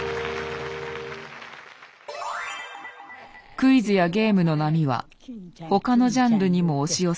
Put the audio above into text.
クイズやゲームの波は他のジャンルにも押し寄せる。